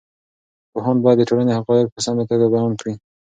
پوهاند باید د ټولنې حقایق په سمه توګه بیان کړي.